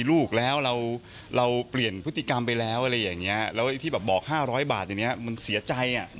เราเปลี่ยนพฤติกรรมไปแล้วอะไรอย่างงี้ที่อาจบอก๕๐๐บาทดีมั้ยมันเสียใจอะ